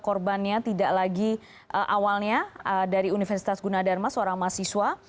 korbannya tidak lagi awalnya dari universitas gunadharma seorang mahasiswa